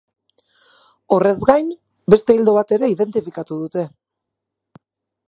Horrez gain, beste ildo bat ere identifikatu dute.